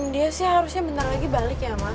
dia sih harusnya bentar lagi balik ya mas